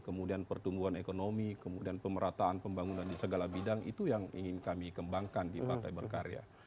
kemudian pertumbuhan ekonomi kemudian pemerataan pembangunan di segala bidang itu yang ingin kami kembangkan di partai berkarya